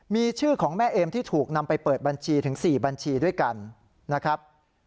มีชื่อของแม่เอมที่ถูกนำไปเปิดบัญชีถึง๔บัญชีด้วยกันนะครับ